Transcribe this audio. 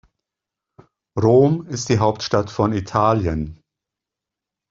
Rom ist die Hauptstadt von Italien.